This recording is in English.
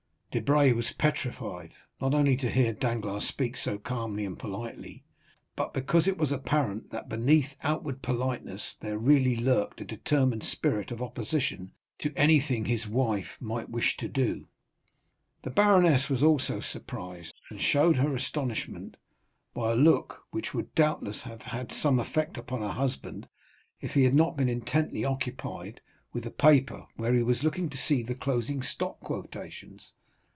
Debray was petrified, not only to hear Danglars speak so calmly and politely, but because it was apparent that beneath outward politeness there really lurked a determined spirit of opposition to anything his wife might wish to do. The baroness was also surprised, and showed her astonishment by a look which would doubtless have had some effect upon her husband if he had not been intently occupied with the paper, where he was looking to see the closing stock quotations.